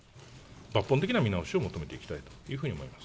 抜本的な見直しを求めていきたい